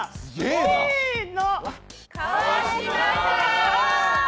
せーの。